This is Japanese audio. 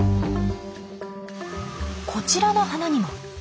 こちらの花にも。